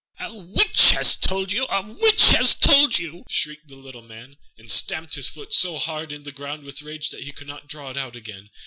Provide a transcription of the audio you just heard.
"A witch has told you! a witch has told you!" shrieked the little Man, and stamped his right foot so hard in the ground with rage that he could not draw it out again.